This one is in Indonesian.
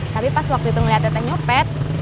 tapi pas waktu itu ngeliat teh teh nyopet